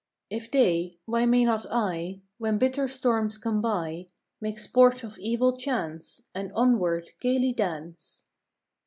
If they, why may not I W T hen bitter storms come by Make sport of evil chance And onward gaily dance?